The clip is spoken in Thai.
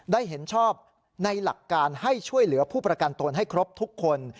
ได้เห็นชอบในหลักการให้ช่วยเหลือผู้ประกันตนให้ครบทุกคน